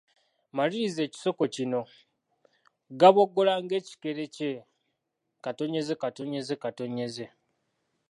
Maliriza ekisoko kino: Gaboggola ng'ekikere kye …….